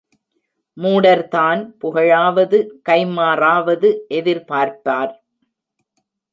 மூடர்தான் புகழாவது கைம்மாறாவது எதிர்பார்ப்பார்.